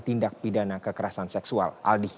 tindak pidana kekerasan seksual